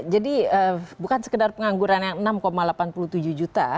jadi bukan sekedar pengangguran yang enam delapan puluh tujuh juta